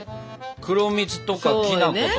黒蜜とかきな粉とか。